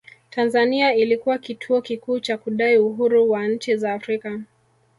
Tanzania ilikuwa kituo kikuu cha kudai uhuru wa nchi za Afrika